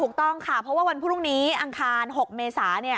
ถูกต้องค่ะเพราะว่าวันพรุ่งนี้อังคาร๖เมษา